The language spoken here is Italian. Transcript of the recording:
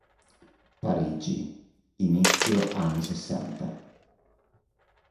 Parigi, inizio anni Sessanta.